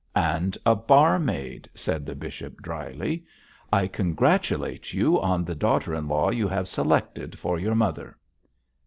'And a barmaid,' said the bishop, dryly. 'I congratulate you on the daughter in law you have selected for your mother!'